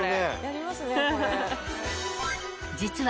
［実は］